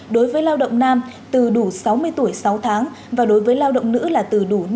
đối với lao động nam từ đủ sáu mươi tuổi sáu tháng và đối với lao động nữ là từ đủ năm mươi năm tuổi tám tháng